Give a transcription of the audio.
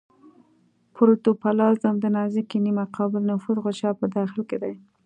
پروتوپلازم د نازکې نیمه قابل نفوذ غشا په داخل کې دی.